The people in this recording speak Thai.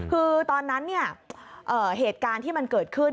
คือตอนนั้นเหตุการณ์ที่มันเกิดขึ้น